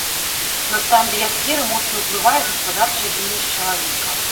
На стан біясферы моцна ўплывае гаспадарчая дзейнасць чалавека.